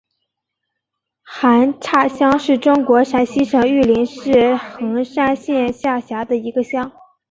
韩岔乡是中国陕西省榆林市横山县下辖的一个乡。